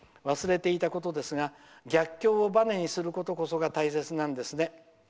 忘れていたことですが逆境をばねにすることこそが大切なんですね。